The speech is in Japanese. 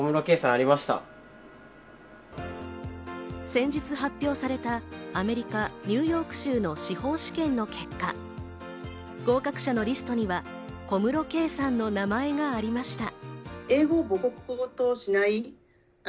先日発表されたアメリカ・ニューヨーク州の司法試験の結果、合格者のリストには、小室圭さんの名前がありました。